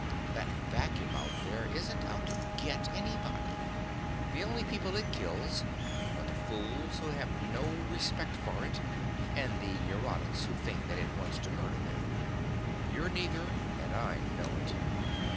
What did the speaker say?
That vacuum out there isn't out to 'get' anybody. The only people it kills are the fools who have no respect for it and the neurotics who think that it wants to murder them. You're neither, and I know it."